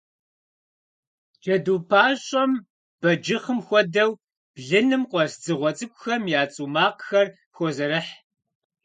Джэду пащӏэм, бэджыхъым хуэдэу, блыным къуэс дзыгъуэ цӏыкӏухэм я цӏу макъхэр хозэрыхь.